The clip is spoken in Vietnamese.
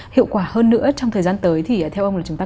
hiệu quả hơn nữa trong thời gian tới thì theo ông là chúng ta